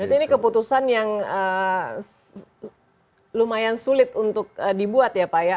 berarti ini keputusan yang lumayan sulit untuk dibuat ya pak ya